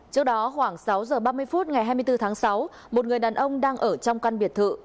trước đó khoảng sáu giờ ba mươi phút ngày hai mươi bốn tháng sáu một người đàn ông đang ở trong căn biệt thự